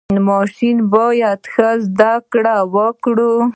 ماشومان باید ښه زده کړه وکړي.